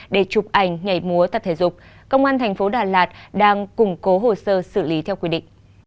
để chụp ảnh nhảy múa tập thể dục công an thành phố đà lạt đang củng cố hồ sơ xử lý theo quy định